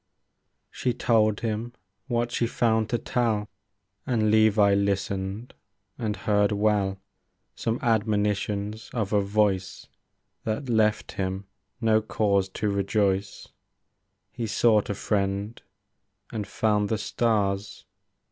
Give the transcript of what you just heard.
She told him what she found to tell. And Levi listened, and heard well Some admonitions of a voice That left him no cause to rejoice. — He sought a friend, and found the stars.